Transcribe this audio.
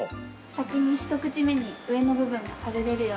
先に一口目に上の部分が食べれるように。